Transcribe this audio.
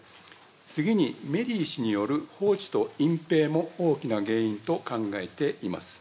次に、メリー氏による放置と隠蔽も大きな原因と考えています。